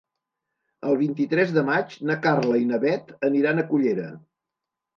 El vint-i-tres de maig na Carla i na Bet aniran a Cullera.